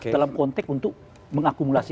dalam konteks untuk mengakumulasi